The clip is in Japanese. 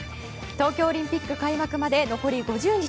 東京オリンピック開幕まで残り５０日。